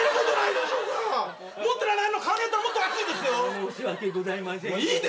申し訳ございません。